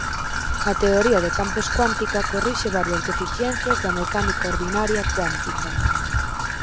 A teoría de campos cuántica corrixe varias deficiencias da mecánica ordinaria cuántica.